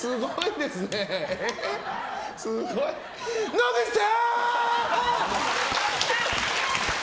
野口さーん！